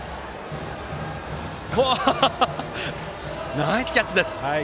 ナイスキャッチです！